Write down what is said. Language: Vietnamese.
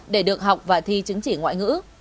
để được học và thi chứng chỉ ngoại ngữ